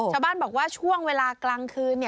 ชาวบ้านบอกว่าช่วงเวลากลางคืน